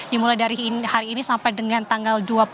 dimulai dari hari ini sampai dengan tanggal dua puluh